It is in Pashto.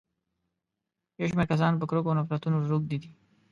يو شمېر کسان په کرکو او نفرتونو روږدي دي.